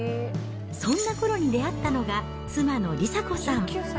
そんなころに出会ったのが、妻の梨紗子さん。